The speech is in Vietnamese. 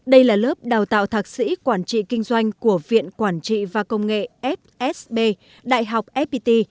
đây là lớp đào tạo thạc sĩ quản trị kinh doanh của viện quản trị và công nghệ fsb đại học fpt